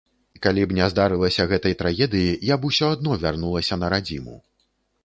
Калі б не здарылася гэтай трагедыі, я б усё адно вярнулася на радзіму.